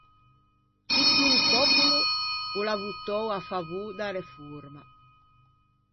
Tutto o pòpolo o l’à votou à favô da reforma.